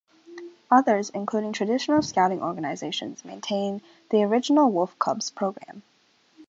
Others, including Traditional Scouting organizations, maintain the original Wolf Cubs program.